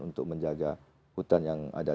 untuk menjaga hutan yang ada